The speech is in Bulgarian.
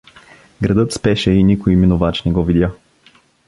Градът спеше и никой минувач не го видя.